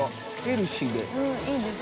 ヘルシーで。